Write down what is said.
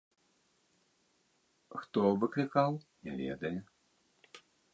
Хто выклікаў, не ведае.